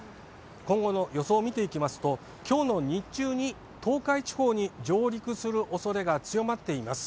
今後の予想を見ていきますと、きょうの日中に、東海地方に上陸するおそれが強まっています。